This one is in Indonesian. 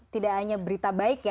tidak hanya berita baik ya